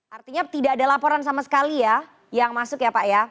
artinya tidak ada laporan sama sekali ya yang masuk ya pak ya